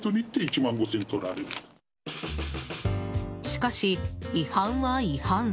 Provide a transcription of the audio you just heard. しかし、違反は違反。